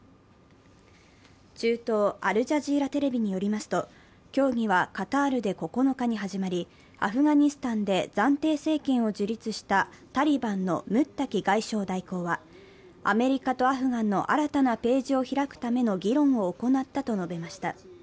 中東・アルジャジーラテレビによりますと、協議はカタールで９日に始まり、アフガニスタンで暫定政権を樹立したタリバンのムッタキ外相代行はアメリカとアフガンの新たなページを開くための議論を行ったと述べました。